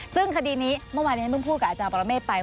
ซึ่งคดีนี้เมื่อวานี้ผมพูดกับอาจารย์ประมาเมฆไป